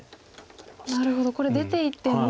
なるほどこれ出ていっても。